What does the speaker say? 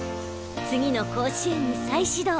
次の甲子園に再始動。